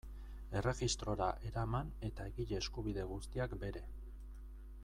Erregistrora eraman eta egile eskubide guztiak bere.